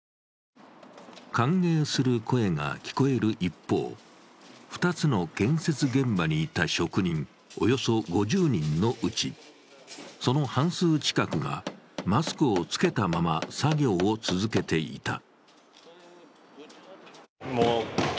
歓迎する声が聞こえる一方、２つの建設現場にいた職人、およそ５０人のうち、およそ半数がマスクを着けたまま作業を続けていた。